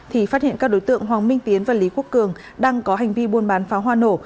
thì phát hiện các đối tượng hoàng minh tiến và lý quốc cường đang có hành vi buôn bán pháo hoa nổ